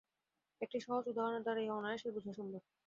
একটি সহজ উদাহরণের দ্বারা ইহা অনায়াসেই বুঝা যায়।